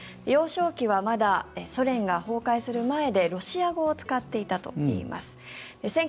幼少期はまだソ連が崩壊する前でロシア語を使っていたといいます。